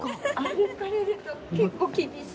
歩かれると結構厳しい。